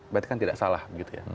berarti kan tidak salah begitu ya